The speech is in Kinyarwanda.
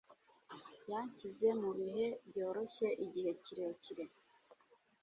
Yanshyize mubihe byoroshye igihe kire kire.